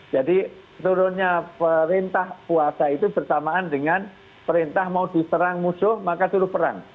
jadi turunnya perintah puasa itu bersamaan dengan perintah mau diserang musuh maka turun perang